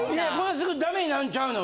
すぐダメになるんちゃうの？